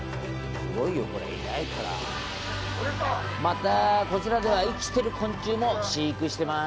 また、こちらでは、生きている昆虫も飼育しています。